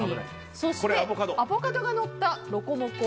そしてアボカドがのったロコモコ